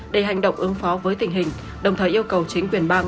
để hành động ứng phó với tình hình đồng thời yêu cầu chính quyền bang